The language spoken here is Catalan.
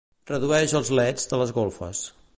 Redueix els leds de les golfes.